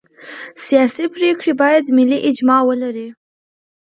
سیاسي پرېکړې باید ملي اجماع ولري